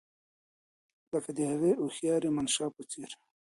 لکه د هغې هوښیارې منشي په څېر.